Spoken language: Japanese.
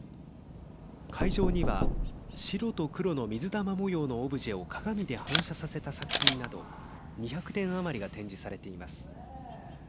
会場には白と黒の水玉模様のオブジェを鏡で反射させた作品など２００点余りが展示されています。